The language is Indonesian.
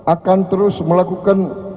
akan terus melakukan